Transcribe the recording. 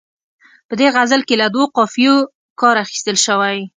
په دې غزل کې له دوو قافیو کار اخیستل شوی.